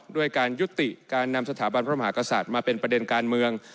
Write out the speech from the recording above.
ด้วยการยุติการนำสถาบันพระมหากษัตริย์มาเป็นประเด็นการเมือง